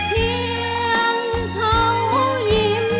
เพียงพร้อมเพลงนี้มีมูลค่า๑๐๐๐๐บาท